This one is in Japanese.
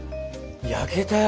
焼けたよ。